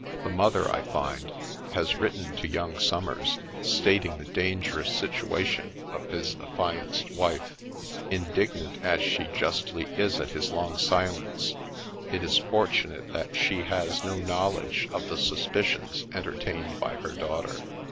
The mother, I find, has written to young Somers, stating the dangerous situation of his affianced wife ; indignant as she justly is at his long silence, it is fortunate that she has no knowledge of the suspicions entertained by her daughter.